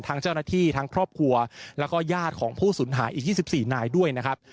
ทั้งเจ้าหน้าที่ทั้งครอบครัวแล้วก็ญาติของผู้สูญหายอีก๒๔นายด้วยนะครับ